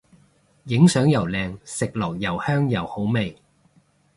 影相又靚食落又香又好味